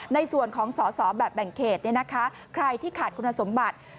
ในส่วนของสอสอแบบแบ่งเขตใครที่ขาดคุณสมบัติ